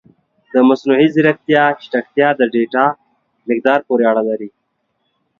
د مصنوعي ځیرکتیا چټکتیا د ډیټا مقدار پورې اړه لري.